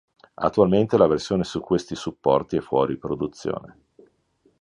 Attualmente la versione su questi supporti è fuori produzione.